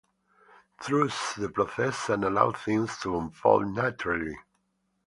Trust the process and allow things to unfold naturally.